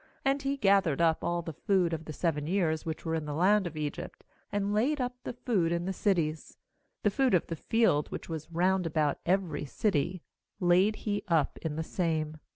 ^And he gathered up all the food of the seven years which were in the land of Egypt, and laid up the food^in the cities; the food of the field, which was round about every city, laid he up in the same.